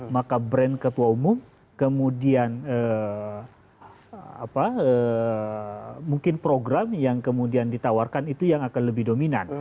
maka brand ketua umum kemudian mungkin program yang kemudian ditawarkan itu yang akan lebih dominan